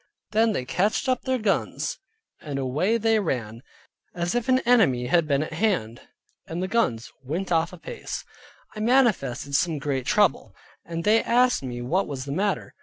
Then they catched up their guns, and away they ran, as if an enemy had been at hand, and the guns went off apace. I manifested some great trouble, and they asked me what was the matter?